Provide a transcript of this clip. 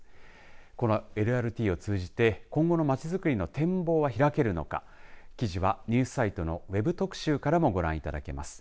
このＬＲＴを通じて今後のまちづくりの展望は開けるのか記事はニュースサイトのＷＥＢ特集からもご覧いただけます。